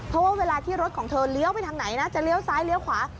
เพราะว่าเวลาที่รถของเธอเลี้ยวไปทางไหนนะจะเลี้ยวซ้ายเลี้ยวขวา